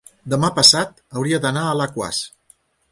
Demà passat hauria d'anar a Alaquàs.